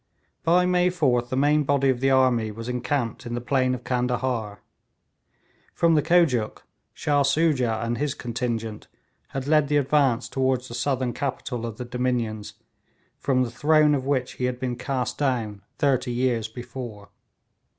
By May 4th the main body of the army was encamped in the plain of Candahar. From the Kojuk, Shah Soojah and his contingent had led the advance toward the southern capital of the dominions from the throne of which he had been cast down thirty years before.